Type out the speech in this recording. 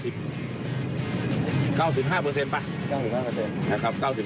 ๙๕เปอร์เซ็นต์ไหมครับ๙๕เปอร์เซ็นต์